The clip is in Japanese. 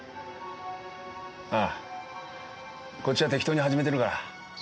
ああこっちは適当に始めてるから。